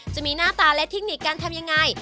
จะมีหน้าตาและเทคนิคการทำยังไง